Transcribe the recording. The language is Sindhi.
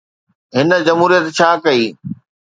هن جمهوريت ڇا ڪئي؟